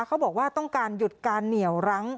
เขาบอกว่าต้องการหยุดการเหนียวรั้ง